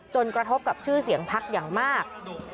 กระทบกับชื่อเสียงพักอย่างมาก